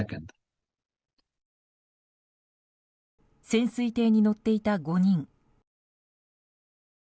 潜水艇に乗っていた５人。